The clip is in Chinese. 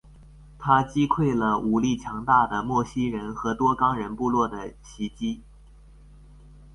他击溃了武力强大的莫西人和多冈人部落的侵袭。